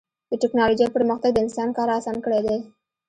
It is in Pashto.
د ټکنالوجۍ پرمختګ د انسان کار اسان کړی دی.